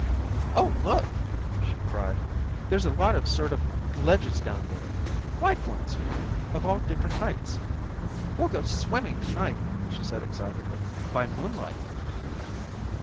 "Oh, look," she cried. "There's a lot of sort of ledges down there. Wide ones of all different heights." "We'll go swimming to night!" she said excitedly. "By moonlight."